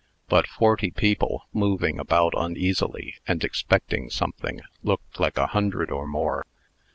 But forty people, moving about uneasily, and expecting something, look like a hundred or more.